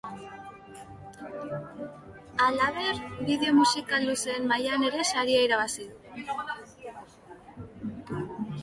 Halaber, bideo musikal luzeen mailan ere saria irabazi du.